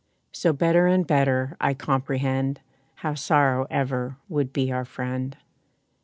So better and better I comprehend, How sorrow ever would be our friend.